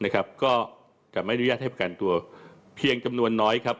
ก็จะไม่อนุญาตให้ประกันตัวเพียงจำนวนน้อยครับ